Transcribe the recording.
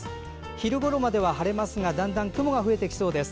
昼ごろまでは晴れますが次第に雲が増えてきそうです。